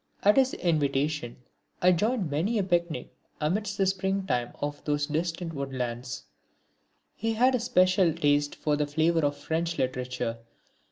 At his invitation I enjoyed many a picnic amidst the spring time of those distant woodlands. He had a special taste for the flavour of French literature.